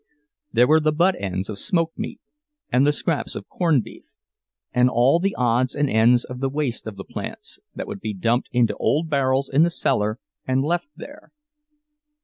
There were the butt ends of smoked meat, and the scraps of corned beef, and all the odds and ends of the waste of the plants, that would be dumped into old barrels in the cellar and left there.